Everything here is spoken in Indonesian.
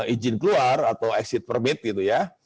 izin keluar atau exit permit gitu ya